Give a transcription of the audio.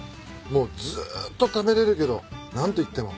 もうずっと食べれるけど何といっても。